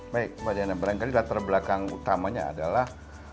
baik pak diana berangkali latar belakang utamanya adalah